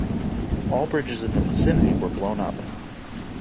All bridges in the vicinity were blown up.